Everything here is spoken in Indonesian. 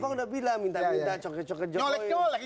abang udah bilang minta minta coke coke jokowi